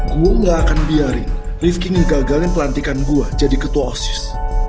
gue gak akan biari rifki ngegagalin pelantikan gue jadi ketua osis